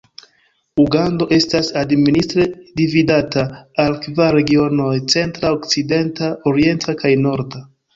Ugando estas administre dividata al kvar regionoj: centra, okcidenta, orienta kaj norda.